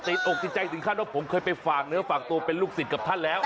ติดอกติดติดใจถึงขั้นว่าผมเคยไปฝ่างเนื้อฝ่างตัวเป็นลูกศีลกับท่านแล้ว